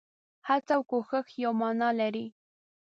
هڅه او کوښښ يوه مانا لري.